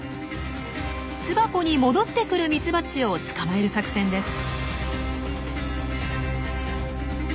巣箱に戻ってくるミツバチを捕まえる作戦です。